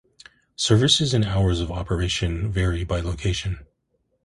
Services and hours of operation vary by location.